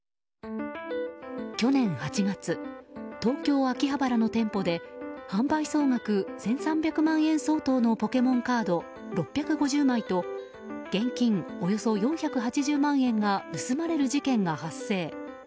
去年８月、東京・秋葉原の店舗で販売総額１３００万円相当のポケモンカード６５０枚と現金およそ４５０万円が盗まれる事件が発生。